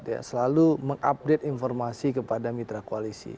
ya selalu mengupdate informasi kepada mitra koalisi